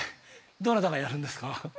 どなたがやるんですか。